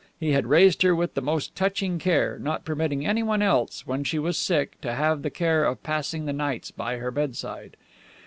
He had raised her with the most touching care, not permitting anyone else, when she was sick, to have the care of passing the nights by her bedside.